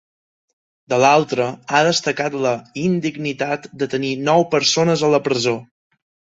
De l’altra, ha destacat la ‘indignitat’ de tenir nou persones a la presó.